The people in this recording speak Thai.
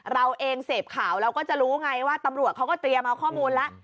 เราเองเสพข่าวเราก็จะรู้ไงว่าตำรวจเขาก็เตรียมเอาข้อมูลแล้ว